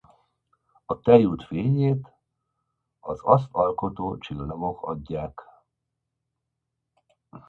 A Tejút fényét az azt alkotó csillagok adják.